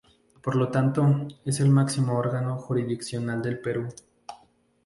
Por lo tanto, es el máximo órgano jurisdiccional del Perú.